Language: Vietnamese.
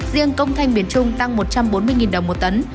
riêng công thanh miền trung tăng một trăm bốn mươi đồng một tấn